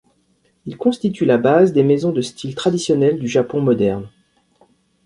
Il constitue la base des maisons de style traditionnel du Japon moderne.